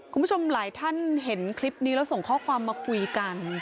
คุณผู้ชมหลายท่านเห็นคลิปนี้แล้วส่งข้อความมาคุยกัน